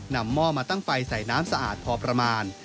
หม้อมาตั้งไฟใส่น้ำสะอาดพอประมาณ